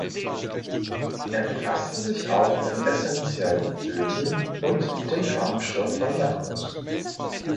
Er befasste sich auch mit essentiellen Ölen und dem Farbstoff von Lackmus.